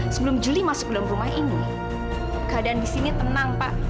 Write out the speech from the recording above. sebelum juli masuk dalam rumah ini keadaan di sini tenang pak